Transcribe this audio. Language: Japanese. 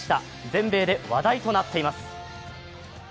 全米で話題となっています。